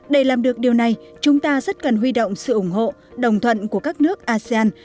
để làm được điều này chúng ta rất cần huy động sự ủng hộ đồng thuận của các nước asean